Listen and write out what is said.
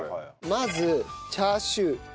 まずチャーシュー。